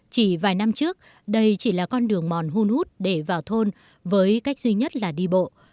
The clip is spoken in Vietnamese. chỉ vài năm trước đây chỉ là con đường mòn hút để vào thôn với cách duy nhất là đi bộ